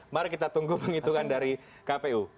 mari kita tunggu penghitungan dari kpu